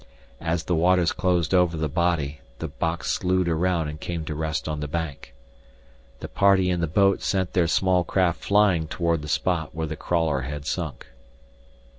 As the waters closed over the body, the box slued around and came to rest on the bank. The party in the boat sent their small craft flying toward the spot where the crawler had sunk.